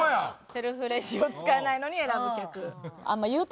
セルフレジを使えないのに選ぶ客。